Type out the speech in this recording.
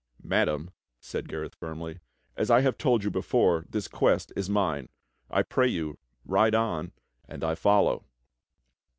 "Madam," said Gareth firmly, "as I have told you before, this quest is mine. I pray you, ride on and I follow."